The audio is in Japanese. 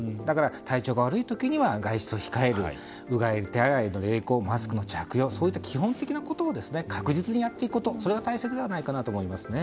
体調が悪い時には外出を控えるうがい・手洗いの励行マスクの着用そういった基本的なことを確実にやっていくことが大切だと思いますね。